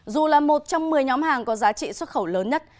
dù là một trong một mươi nhóm hàng có giá trị xuất khẩu lớn nhất